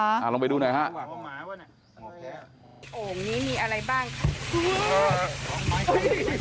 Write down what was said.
ตอนนี้นะคะคุณผู้ชมกำลังเทน้ำเอามารีบกับพี่